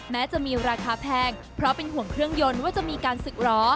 แม้จะมีราคาแพงเพราะเป็นห่วงเครื่องยนต์ว่าจะมีการศึกล้อ